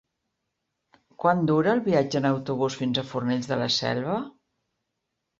Quant dura el viatge en autobús fins a Fornells de la Selva?